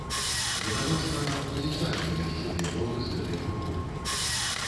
Відавочна, нам будзе цяжка весці дыялог з гэтай групоўкай.